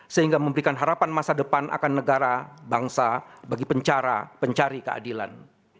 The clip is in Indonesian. sehingga memberikan harapan masa depan akan negara bangsa bagi pencara pencari keadilan